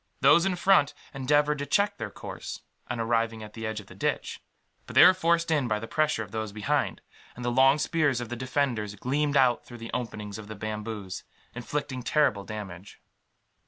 Those in front endeavoured to check their course, on arriving at the edge of the ditch; but they were forced in by the pressure of those behind, and the long spears of the defenders gleamed out through the openings of the bamboos, inflicting terrible damage.